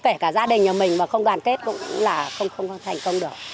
kể cả gia đình nhà mình mà không đoàn kết cũng là không thành công được